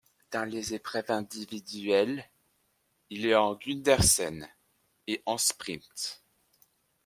Dans les épreuves individuelles, il est en Gundersen et en sprint.